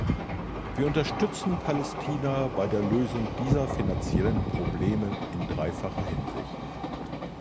Wir unterstützen Palästina bei der Lösung dieser finanziellen Probleme in dreifacher Hinsicht.